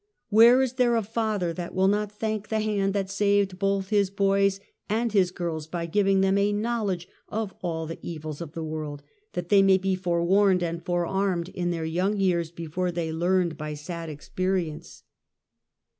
Where is there a father that will not thank the hand that saved both his boys and his girls by giv ing them a knowledge of all the evils of the world, that they may be forewarned and forearmed in their young 3^ears, before they learned by sad experience